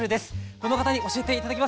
この方に教えて頂きます。